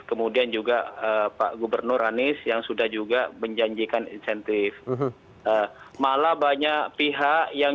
kemudian juga pak gubernur anies yang sudah juga menjanjikan insentif malah banyak pihak yang